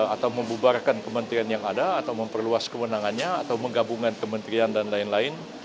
atau membubarkan kementerian yang ada atau memperluas kewenangannya atau menggabungkan kementerian dan lain lain